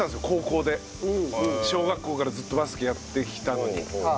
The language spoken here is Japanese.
小学校からずっとバスケやってきたのに。